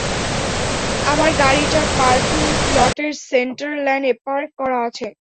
আমার গাড়িটা পার্কিং লটের সেন্টার ল্যানে পার্ক করা আছে!